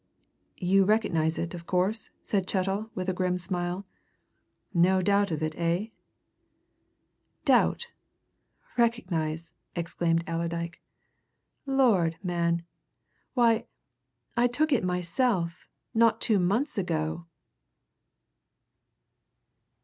"You recognize it, of course?" said Chettle, with a grim smile. "No doubt of it, eh?" "Doubt! Recognize!" exclaimed Allerdyke. "Lord, man why, I took it myself, not two months ago!"